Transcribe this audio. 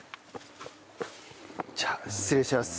じゃあ失礼します。